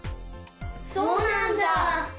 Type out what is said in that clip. そうなんだ。